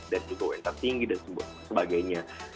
dan juga winner tinggi dan sebagainya